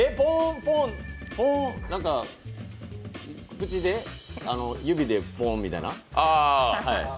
なんか、口で、指でポーンみたいな。